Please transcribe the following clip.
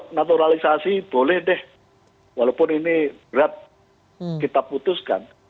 naturalisasi boleh deh walaupun ini berat kita putuskan